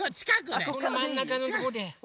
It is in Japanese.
このまんなかのとこで。